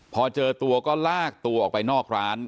พอเจอตัวก็ลากตัวออกไปนอกร้าน